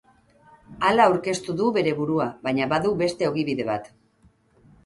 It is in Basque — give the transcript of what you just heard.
Hala aurkeztu du bere burua baina, badu beste ogibide bat.